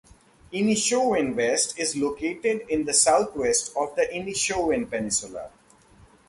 Inishowen West is located in the southwest of the Inishowen Peninsula.